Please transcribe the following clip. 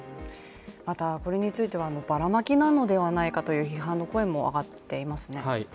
また、これについては、ばらまきなのではないかという批判の声も上がっていますね。